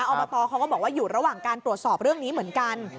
อบตเขาก็บอกว่าอยู่ระหว่างการตรวจสอบเรื่องนี้เหมือนกัน